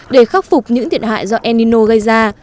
để khắc phục những thiện hại do enino gây ra